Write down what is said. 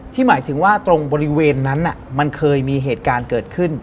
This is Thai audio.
หมายถึงว่าตรงบริเวณนั้นมันเคยมีเหตุการณ์เกิดขึ้น